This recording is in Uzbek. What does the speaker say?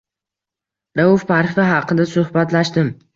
Rauf Parfi xaqida suhbatlashdim.